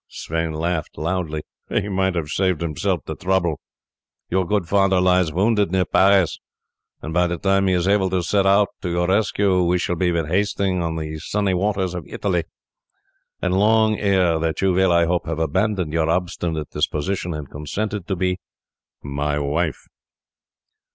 Sweyn laughed loudly. "He might have saved himself the trouble," he said. "Your good father lies wounded near Paris, and by the time he is able to set out to your rescue we shall be with Hasting on the sunny waters of Italy, and long ere that you will, I hope, have abandoned your obstinate disposition, and consented to be my wife."